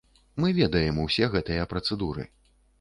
Мы ведаем усе гэтыя працэдуры.